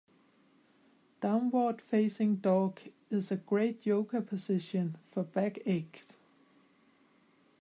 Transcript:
Downward facing dog is a great Yoga position for back aches.